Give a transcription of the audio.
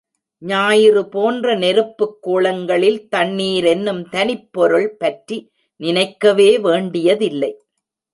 ஞாயிறு போன்ற நெருப்புக் கோளங்களில் தண்ணீர் என்னும் தனிப் பொருள் பற்றி நினைக்கவே வேண்டியதில்லை.